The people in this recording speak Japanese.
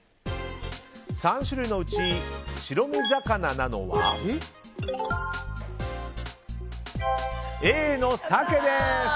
３種類のうち白身魚なのはＡのサケです。